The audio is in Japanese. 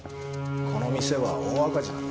この店は大赤字なんです。